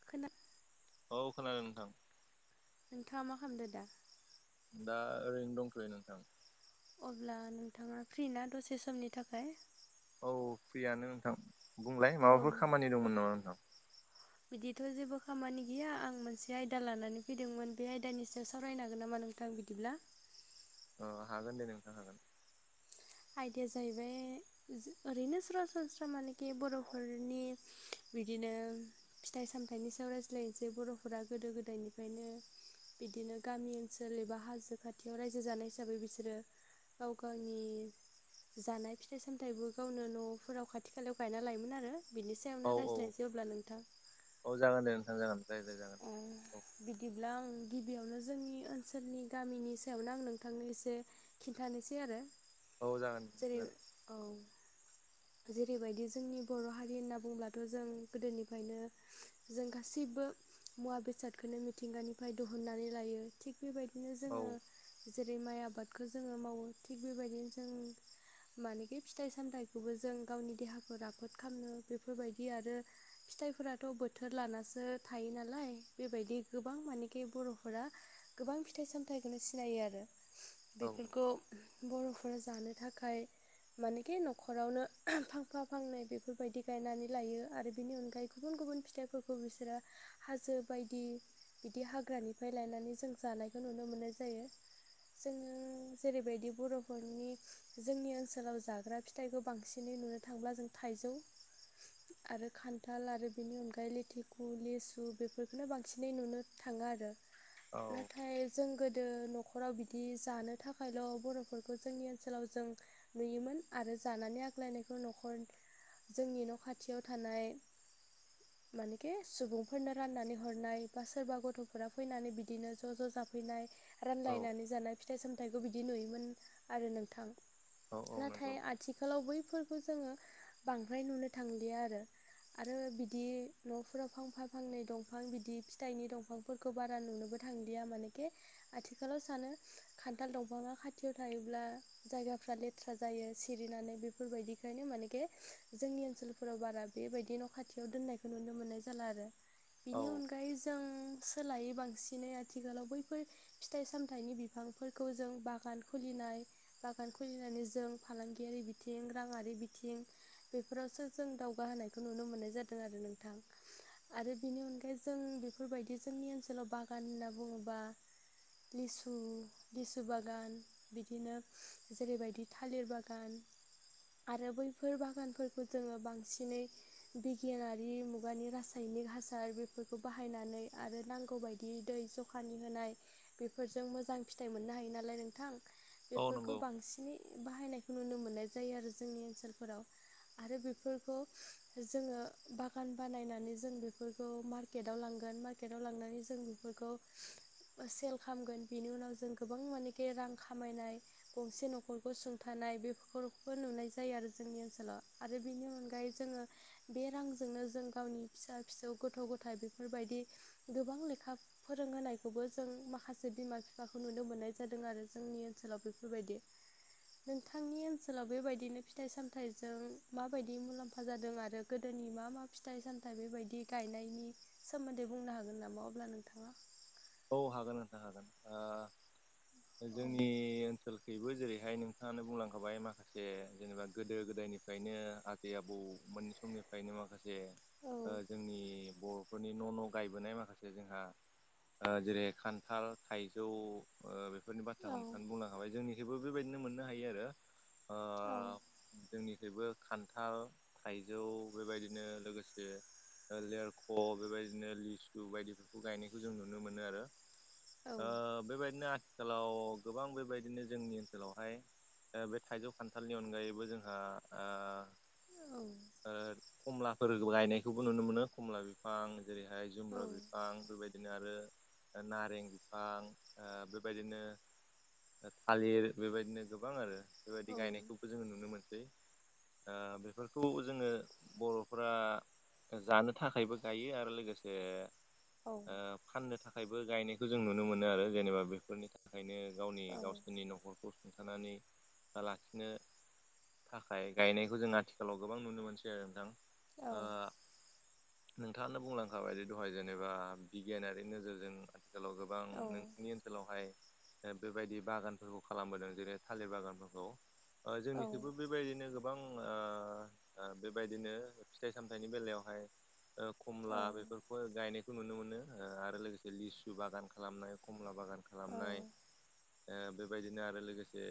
[inaudible] औ खोनादों नोंथां। नोंथाङा मा खालामदो दा? दा ओरैनो दंथयो नोंथां। अब्ला नोंथाङा फ्रि ना दसे समनि थाखाय? औ औ फ्रियानो नोंथां बुंलाय अ माबाफोर खामानि दंमोन नामा नोंथां? बिदिथ' जेबो खामानि गैया आं मोनसे आयदा लानानै फैदोंमोन बे आयदानि सायाव सावरायनो हागोन नामा नों थां बिदिब्ला? अ हागोन दे नोंथां हागोन। आयदाया जाहैबाय ओरैनो सरासनस्रा मानेखि बर'फोरनि बिदिनो फिथाइ सामथाइनि सायाव रायज्लायनोसै बर'फोरा गोदो गोदायनिफ्रायनो बिदिनो गामि ओनसोल एबा हाजो खाथियाव रायजो जानाय हिसाबै बिसोरो गाव गायनि जानाय फिथाइ सामथाइबो गावनो न'फोराव खाथि खालायाव गायना लायोमोन आरो। बिनि सायावनो औ औ रायज्लायनोसै अब्ला नोंथां। औ जागोन दे नोंथां जागोन रायज्लाय जागोन ओ औ। बिदिब्ला आं गिबियावनो जोंनि ओनसोलनि गामिनि सायावनो आं नोंथांनो एसे खिन्थानोसै आरो औ जागोन जेरै जागोन औ। जेरैबायदि जोंनि बर' हारि होनना बुङोब्लाथ' जों गोदोनिफ्रायनो जों गासैबो मुवा बेसादखोनो मिथिंगानिफ्राय दहननानै लायो थिग बेबायदिनो औ जोङो जेरै माइ आबादखौ जोङो मावो थिग बेबायदिनो जों मानेखि फिथाइ सामथाइ बेखौबो जों गावनि देहाखौ राफोद खालामनो बेफोरबायदि आरो फिथाइफोराथ' बोथोर लानासो थायो नालाय बेबायदि गोबां मानेखि बर'फोरा गोबां फिथाइ सामथाइखौनो सिनायो आरो। औ बेफोरखौ बर'फोरा जानो थाखाय मानेखि नखरावनो फांफा फांनै बेफोरबायदि गायनानै लायो आरो बेनि अनगायै गुबुन गुबुन फिथाइफोर खौ बिसोरो हाजो बायदि बिदि हाग्रानिफ्राय लायनानै जों जानायखौ नुनो मोननाय जायो। जोङो जेरैबायदि बर'फोरनि जोंनि ओनसोलाव जाग्रा फिथाइखौ बांसिनै नुनो थांब्ला जों थाइजौ आरो खान्थाल आरो बेनि अनगायै लेथिखु लिसु बेफोरखौनो बांसिनै नुनो थाङो आरो औ नाथाय जों गोदो न'खराव बिदि जानो थाखायल' बर'फोरखौ जोंनि ओनसोलाव जों नुयोमोन। आरो जानानै आग्लायनायखौ न'खर जोंनि न' खाथियाव थानाय [inaudible] मानेकि सुबुंफोरनो राननानै हरनाय बा सोरबा गथ'फोरा फैनानै बिदिनो ज' ज' जाफैनाय औ रानलायनानै जानाय फिथाइ सामथाइखौ बिदि नुयोमोन आरो नोंथां। औ औ नंगौ। नाथाय आथिखालाव बैफोरखौ जोङो बांद्राय नुनो थांलिया आरो। आरो बिदि न'फोराव फांफां फांनै दंफां बिदि फिथाइनि दंफां फोरखौ बारा नुनोबो थांदिया मानेखे आथिखालाव सानो खान्थाल दंफाङा खाथियाव थायोब्ला जायगाफ्रा लेथ्रा जायो सिरिनानै बेफोरबायदिखायनो मानेके जोंनि ओनसोलफोराव बारा बेबायदि न' खाथ थियाव दोननायखौ नुनो मोननाय जाला आरो बेनि औ अनगायै जों सोलायो बांसिनै आथिखालाव बैफोर फिथाइ सामथाइनि बिफांफोरखौ जों बागान खुलिनाय बागान खुलिनानै जों फालांगियारि बिथिं राङारि बिथिं बेफोरावसो जों दावगाहोनायखौ नुनो मोननाय जादों आरो नोंथां। आरो बेनि अनगायै जों बेफोरबायदि जोंनि ओनसोलाव बागान होनना बुङोबा लिसु लिसु बागान बिदिनो जेरै बायदि थालिर बागान आरो बैफोर बागानफोरखौ जोङो बांसिनै बिगियानारि मुगानि रासायनिक हासार बेफोरखौ बाहायनानै आरो नांगौ बाय दि दै ज'खानि होनाय बेफोरजों मोजां फिथाइ मोननो हायो नालाय नोंथां। औ एफोरखौ नंगौ बांसिनै बाहायनायखौ नुनो मोननाय जायो आरो जोंनि ओनसोलफोराव। आरो बेफोरखौ जोङो बागान बानायनानै जों बेफोरखौ मा केटाव लांगोन मार्केटआव लांनानै जों बेफोरखौ ओ सेल खामगोन बेनि उनाव जों गोबां मानेखे रां खामायनाय गंसे न' खरखौ सुंथानाय बेफोरखौबो नुनाय जायो आरो जोंनि ओनसोलाव। आरो बिनि अनगायै जोङो बे रांजोंनो जों गावनि फिसा फिसौ गथ' गथाय बेफोरबायदि गोबां लेखा फोरोंहोनायखौबो जों माखासे बिमा बिफाखौ नुनो मोननाय जादों आरो जोंनि ओनसोलाव बेफोरबायदि। नोंथांनि ओनसोलाव बेबायदिनो फिथाइ सामथाइजों माबायदि मुलाम्फा जादों। आरो गोदोनि मा मा फिथाइ सामथाइ बेबायदि गायनायनि सोमोन्दै बुंनो हागोन नामा अब्ला नोंथाङा? औ हागोन नोंथां हागोन। ओ औ जोंनि ओन सोलखैबो जेरैहाय नोंथाङानो बुंलांखाबाय माखासे जेनेबा गोदो गोदायनिफ्रायनो आग जे आबौ मोन समनिफ्रायनो माखासे ओ औ जोंनि बर'फोरनि न' न' गायबोनाय माखासे जोंहा ओ जेरै खान्थाल, थाइजौ ओ बेफोरनि बाथ्राखौ नोंथाङानो बुंलांखाबाय जोंनिखैबो बेबायदिनो मोननो हायो आरो। आ औ जोंनिखैबो खान्थाल, थाइजौ बेबायदिनो लोगोसे ओ लेरख' बेबायदिनो लिसु बायदिफोरखौ गायनायखौ जों नु नो मोनो आरो ओ बेबायदिनो आथ थिखालाव गोबां बेबायदिनो जोंनि ओनसोलावहाय ओ बे थाइजौ खान्थालनि अनगायैबो जोंहा आ औ ओ कमलाफोर गायनायखौबो नुनो मोनो। कमला बिफां जेरैहाय जुम्ब्रा बिफां बेबायदिनो आरो ओ नारें बिफां ओ बेबायदिनो ओ थालिर बेबायदिनो गोबां आरो बेबायदि गायनायखौबो जोङो नुनो मोनसै। ओ बेफोरखौ जोङो बर'फोरा ओ जानो थाखायबो गायो। आरो लोगोसे ओ फाननो थाखायबो गायनायखौ जों नुनो मोनो आरो। जेनेबा बेफोरनि था थाखायनो गावनि गावसोरनि न'खरखौ सुंथानानै बा लाखिनो थाखाय गायनायखौ जों आथिखालाव गोबां नुनो मोनसै आरो नोंथां। औ ओ नोंथाङानो बुंलांखाबायदि दहाय जेनेबा बिगियानारि नोजोरजों आथिखालाव गोब बां नोंसिनि ओनसोलावहाय ओ बेबायदि बागानफोरखौ खालामबोदों। जेरै थालिर बागानफोरखौ ओ जोंनिखैबो बेफ बायदिनो गोबां ओ ओ बेबायदिनो फिथाइ सामथाइनि बेलायावहाय ओ कमला बेफोरखौहाय गायनायखौ नुनो मोनो। आरो लोगोसे लिसु बागान खालामनाय कमला बागान खालामनाय बेबायदिनो आरो लोगोसे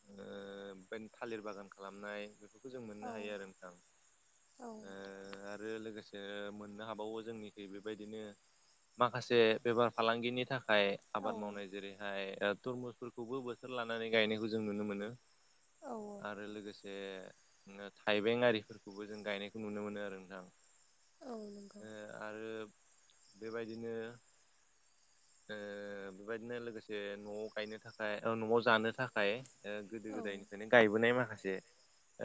ओ बेबायदिनो थालिर बागान खालामनाय बेखौ जों मोननो हायो आरो नोंथां, ओ आरो लोगोसे मोननो हाबावो जोंनिखै बे बायदिनो माखासे बेफार फालांगिनि थाखाय आबाद मावनाय जेरैहाय तरमुसफोरखौबो बोथोर लानानै गायनायखौ जों नुनो मोनो। आरो लोगोसे जे थाइबें आरिफोरखौबो जों गायनायखौ नुनो मोनो आरो नोंथां। आरो बेबायदिनो ओ बेबायदिनो लोगोसे न'आव गायनो थाखाय न'आव जानो थाखाय गोदो गोदायनिफ्रायनो गायबोनाय माखासे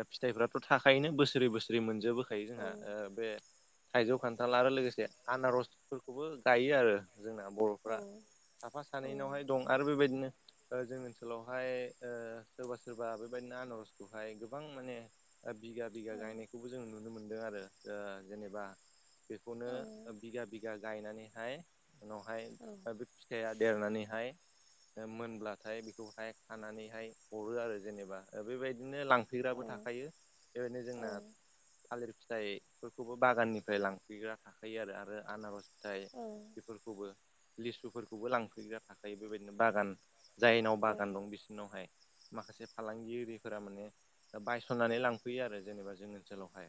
फिथाइफोराथ' थाखायोआनो बोसोरै बोसोरै मोनजोबो। होखायो जोंहा ओ बे थाइजौ खान्थाल आरो लोगोसे आनारसफोरखौबो गायो आरो जोंना बर' फ्रा साफा सानैनावहाय दं आरो बेबायदिनो जोंनि ओनसोलावहाय ओ सोरबा सोरबा बेबायदिनो आनारसखौहाय गोबां माने बिगा बिघा गायनायखौबो जोंङ नुनो मोनदों आरो, ओ जेनेबा बेखौनो बिगा बिगा गायनानैहाय उनावहाय बे फिथाइया देरनानैहाय मोनब्लाथाय बेखौहाय खानानैहाय हरो आरो जेनेबा बेबायदिनो लां होुफैग्राबो थाखायो बेबायनो जोंना थालिर फिथाइफोरखौबो बागाननिफ्राय लांफैग्रा थाखायो आरो आनारस नाथाय बेफोरखौबो लिसुफोरखौबो लांफैग्रा थाखायो बेबायदिनो बागान जायनाव बागान दं बिसोरनावहाय माखासे फालांगि आरफोरा माने बायस'ननानै लांफैयो आरो जेनेबा जोंनि ओनसोलावहाय।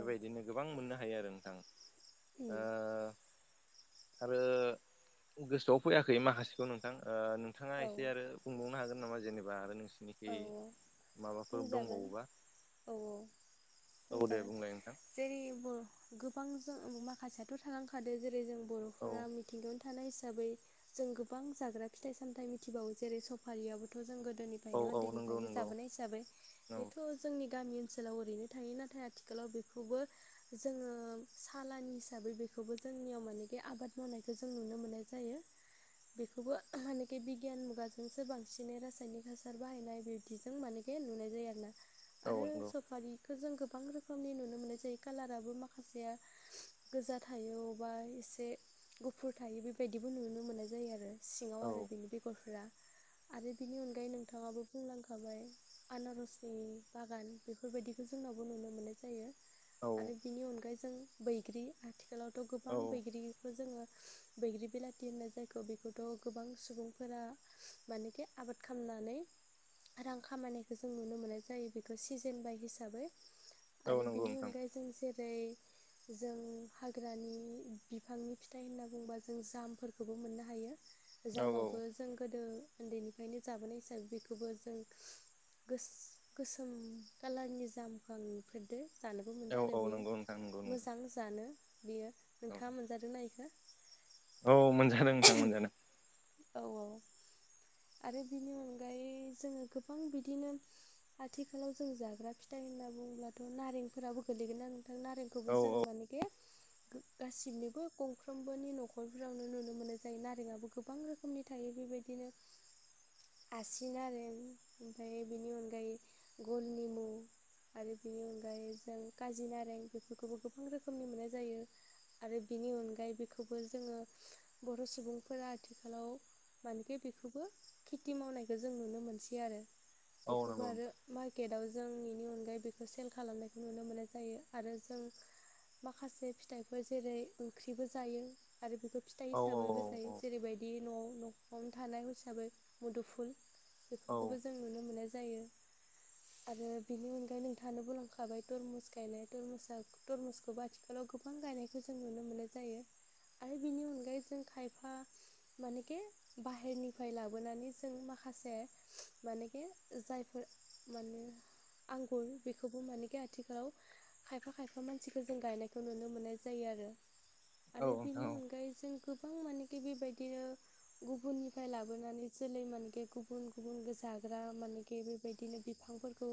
बेबायदिनो गोबां मोननो हायो आरो नोंथां। दा आरो गोसोआव फैयाखै माखासेखौ नोंथां नोंथाङा एसे आरो बुंबावनो हागोन नामा जेनेबा आरो नोंसि खि माबाफोर बुंजागोन दंबावोबा औ दे [unintelligible] बुंलाय नोंथां जेरै बर' गोबां जों माखासेयाथ' थालांखाद जेरै जों औ बर'फोरा मिथिंगोन थानाय हिसाबै जों गोबां जाग्रा फिथाइ सामथाइ मिथिबावो जेरै सफारियाबोथ' जों गोदोनि औ ओनिफ्रायनो औ नंगौ उन्दैनिफ्रायनो नंगौ जाबोनाय हिसाबै औ बेथ' जोंनि गामि ओनसोलाव ओरैनो थायो नाथाय आथिखालाव बेखौबो जोङो सालान हिसाबै बेखौबो जोंनियाव मानेखि आबाद मावनायखौ जों नुनो मोननाय ज जायो बेखौबो मानखि बिगियान मुगाजोंसो बांसिनै रासायनिक हासार बाहायनाय बिबदिजों मानेखे नुनाय जायो आरोना औ आरो नंगौ सफारि जों गोबां रोखोमनि नुनो मोननाय जायो कालाराबो माखासेया गोजा थायो अबबा एसे गुफुर थायो बेबायदिबो नुनो मोननाय जायो आरो। सिङाव औ आरो बिनि बेगरफ आरो बिनि अनगायै नोंथाङाबो बुंलांखाबाय। आनारसनि बागान बेफोरबायदिखौ जोंनावबो नुनो मोननाय जायो। औ आरो बिनि अनगायै जों बैग्रि आथिखालावथ' गोबां औ बैग्रिखौ जोङो बैग्रि बिलाथि होननाय जायग बेखौथ' गोबां सुबुंफोरा मानेखि आबाद खालामनानै रां खामायनायखौ जों नुनो मोननाय जायो बेखौ सिजेन बाय हिसाबै। औ आरो नंगौ बेनि नोंथां अनगायै जों जेरै जों हाग्रानि बिफांनि फिथाइ होनना बुंोबा जों जामफोरखौबो मोननो हायो। औ औ जामावबो जों गोदो उन्दैनिफ्रायनो जाबोनाय हिसाबै बेखौबो जों गोस गोसोम कालारनि जामखांफेरदो जानोबो औ मोनदों आरो औ बेयो नंगौ नोंथां नंगौ नंगौ मोजां जानो बियो नोंथाङा मोनजादोंनाा बेखौ? औ मोनजादों नोंथां मोनजादों। औ औ आरो बिनि अनगायै जोङो गोबां बिदिनो आथिखालाव जों जाग्रा फिथाइ होनना बुंब्लाथ' नारेंफोराबो गोग्लैगोन ना नोंथां नारें बखोबो औ जों माने के गो-गासिनिबो गंफ्रोमबोनि न'खरफोरावनो नुनो मोननाय जायो नारेंआबो गोबां रो खोमनि थायो बेबायदिनो आसि नारें आरो ओमफाय बेनि अनगायै गल निमु आरो बेनि अनगायै जों कारजि नारें बेफोरखौबो गोबां रोखोमनि मोननाय जायो। आरो बिनि अनगायै बेखौबो जोङो बर' सुबुंफोरा आथिखालाव माने के बेखोबो खेथि मावनायखौ जों नुनो मोनसै आरो औ बेखौबो नंगौ आरो नोंथां मार्केटआव जों इनि अनगायै बेखौ सेल खालामनायखौ नुनो मोननाय जायो आरो जों माखासे फिथाइफोर जेरै ओंख्रिबो जायो आरो बेखौ फिथाइ औ हिसाबैबो जायो जेरैबायदि न'आव न'आवनो थानाय हिसाबै मुदुफुल औ बेफोरखौबो जों नुनो मोननाय जायो। आरो बेनि अनगायै नोंथाङानो बुंलांखाबाय टरमुस गायनाय टरमुसआ टरमुसखौबो आथिखालाव गोबां गोबां गायनायखौ जों नुनो मोननाय जायो। आरो बिनि अनगायै जों खायफा मानेके बाहेरनिफ्राय ला बोनानै जों माखासे मानेखि जायफोर माने आंगुर बेखौबो मानेके आथिखालाव खायफा खायफा मानसिखो जों गायनायखो नुनो मोननाय जायो आरो। औ आरो बेनि नोंथां अनगायै जों गोबां मानेके बेबायदिनो गुबुननिफाय लाबोनानै जोलै मानेके गुबुन गुबुन जाग्रा मानेके बेबायदिनो बिफांफोरखौ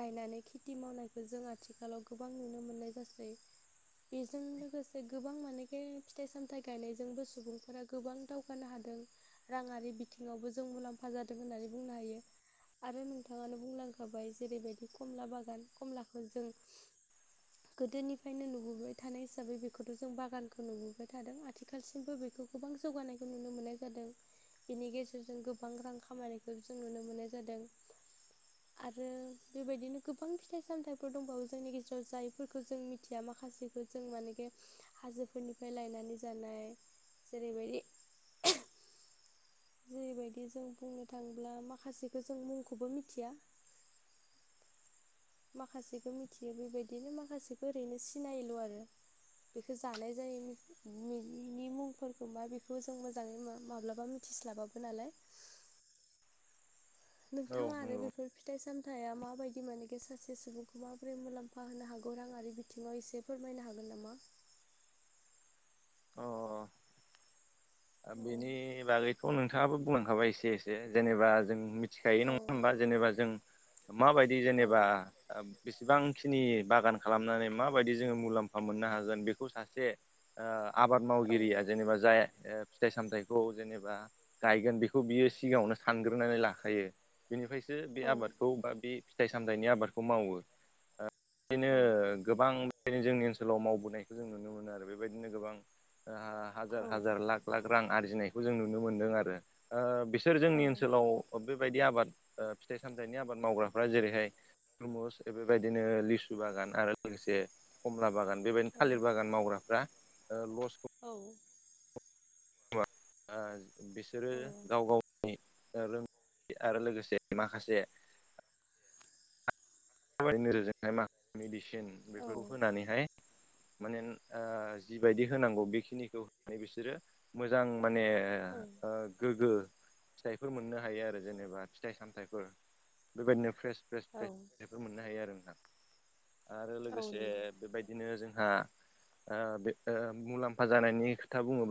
गायनानै खेथि मावनायखो जों आथिखालाव गोबां नुनो मोननाय जासै। बेजों लोगोसे गोबां मानेके फिथाइ सामथाइ गायनायजोंबो सुबुंफोरा गोबां दाव जौगानो हादों राङारि बिथिङावबो जों मुलाम्फा जादों होननानै बुंनो हायो। आरो नोंथाङानो बुंलांखाबाय जेरैबायदि कमला बागान कमलाखो जों [inaudible] गोदोनिफ्रायनो नुबोबाय थानाय हिसाबै बेखौथ' जों बागानखौ नुबोबाय थादों आथिखालसिमबो बे बेखौ गोबां जौगानायखौ नुनो मोननाय जादों बेनि गेजे जों गोबां रां खामायनायखौ जों नुनो मोननाय जादों। आरो बेबायदिनो गोबां फिथाइ सामथाइफोर दंबावो जोंनि गेजेराव जायफोरखो जों मिथिया माखासेखौ जों मानेके हाजोफोरनिफ्राय लायनानै जानाय जेरैबायदि जेरैबायदि जों बुंनो थाङोब्ला माखासेखो जों मुंखौबो मिथिया माखासेखो मिथियो बेबायदिनो माखासेखो ओरैनो सिनायोल' आरो। बेखो जानाय जायो बिनि मुंफोरखौ मा बेखौ जों मोजाङै मा-माब्लाबा मिथिस्लाबाबो औ नोंथां औ आरो नंगौ बेफोर फिथाइ सामथाइआ माबायदि मोनेके सासे सुबुंखौ माबोरै मुलाम्फा होनो हागौ राङारि बिथिङाव एसे फोरमायनो हागोन नामा? अ अ औ बेनि बागैथ' नोंथाङाबो बुंलांखाबाय एसे एसे जेनेबा जों मिथिखायो औ नङा होमबा जेनेबा जों माबायदि औ जेनेबा बेसेबांखिनि बागान खालामनानै माबायदि जोङो मुलाम्फा मोननो हागोन बेखौ सासे ओ आबाद मावगिरिया जेनेबा जाय फिथाइ सामथायाइखौ जेनेबा गायगोन बेखौ बियो सिगाङावनो सानग्रोनानै लाखायो बेनिफ्रायसो बे औ आबादखौ बा बे फिथाइ सामथाइनि आबादखौ मावो। बिदिनो औ गोबां बेनो जोंनि ओनसोलाव मावबोनायखो जों नुनो मोनो आरो बेबायदिनो गोबां हाजार औ हाजार लाक लाख रां आरजिनायखौ जों नुनो मोनदों आरो ओ बिसोर जोंनि औ ओनसोलाव अ बेबायदि आबाद ओ फिथाइ सामथाइनि आबाद मावग्राफ्रा जेरैहाय तमुस बेबायदिनो लिसु बागान आरो लोगोसे खमला बागान बेबायदिनो थालिर बागान मावग्राफ्रा औ ओ बिसोरो गाव गावनि रों आरो लोगोसे माखासे माब नोजोरजोंहाय मा मेडिसिन औ बेफोरखौ होनानैहाय। माने जिबायदि होनांगौ बेखिनिखौ होनानै बिसोरो। मोजां माने ओ गोग्गो फिथाइफोर मोननो हायो आरो जेनेबा फिथाइ सामथायाइफोर बेबायाददिनो फ्रेस फ्रेस औ फ्रेस बेफोर मोननो हायो आरो नोंथां आरो औ लोगोसे नंगौ बेबायदि बिदिनो जोंहा ओ बे मुलाम्फा जानायनि खोथा बुङोब्ला